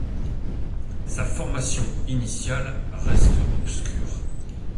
Sa formation initiale reste obscure.